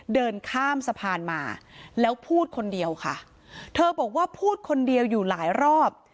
เดินข้ามสะพานมาแล้วพูดคนเดียวค่ะเธอบอกว่าพูดคนเดียวอยู่หลายรอบ